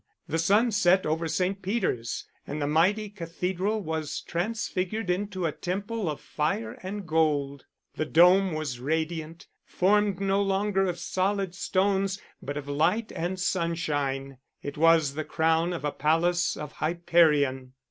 The sun set over St. Peter's, and the mighty cathedral was transfigured into a temple of fire and gold; the dome was radiant, formed no longer of solid stones, but of light and sunshine it was the crown of a palace of Hyperion.